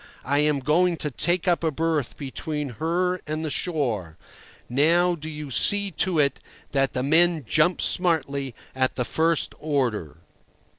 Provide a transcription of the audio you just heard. I am going to take up a berth between her and the shore. Now do you see to it that the men jump smartly at the first order."